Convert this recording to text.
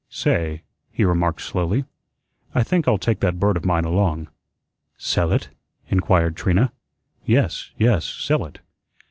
"Say," he remarked slowly, "I think I'll take that bird of mine along." "Sell it?" inquired Trina. "Yes, yes, sell it."